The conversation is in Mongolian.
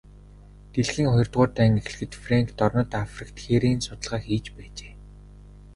Дэлхийн хоёрдугаар дайн эхлэхэд Фрэнк дорнод Африкт хээрийн судалгаа хийж байжээ.